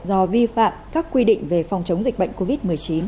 do vi phạm các quy định về phòng chống dịch bệnh covid một mươi chín